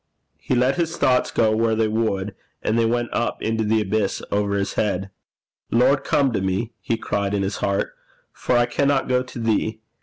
He let his thoughts go where they would, and they went up into the abyss over his head. 'Lord, come to me,' he cried in his heart, 'for I cannot go to thee.